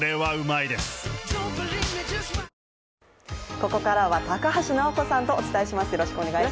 ここからは高橋尚子さんとお伝えします。